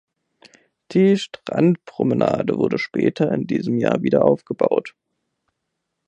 Die Strandpromenade wurde später in diesem Jahr wieder aufgebaut.